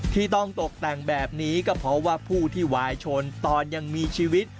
ที่ต้องตกแต่งแบบนี้ก็เพราะว่าผู้ที่วายชนตอนยังมีชีวิต